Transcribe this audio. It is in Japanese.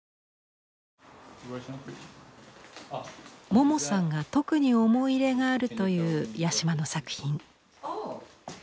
モモさんが特に思い入れがあるという八島の作品。